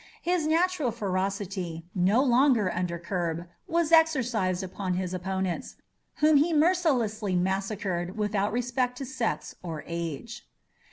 His natural ferocity, no longer under curb, was exercised upon his opponents, whom he mercilessly massacred without respect to sex or age.